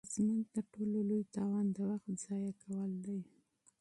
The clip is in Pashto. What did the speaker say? د ژوند تر ټولو لوی تاوان د وخت ضایع کول دي.